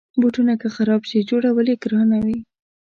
بوټونه که خراب شي، جوړول یې ګرانه وي.